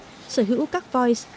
sở hữu các voice phim và các bài hát